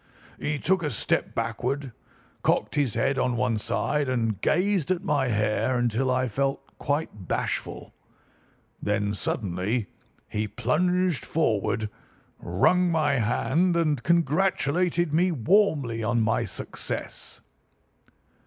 He took a step backward, cocked his head on one side, and gazed at my hair until I felt quite bashful. Then suddenly he plunged forward, wrung my hand, and congratulated me warmly on my success.